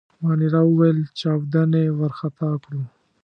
مانیرا وویل: چاودنې وارخطا کړو.